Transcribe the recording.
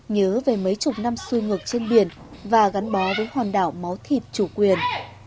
nhớ về mấy chục năm xui ngược trên biển và gắn bó với hòn đảo máu thịt chủ quyền